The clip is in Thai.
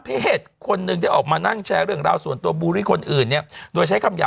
เป็นคนหนึ่งอยู่ออกมานั่งแชร์เรื่องราวส่วนตัวบูรี่คนอื่นเนี่ย